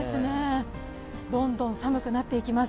どんどん寒くなっていきます。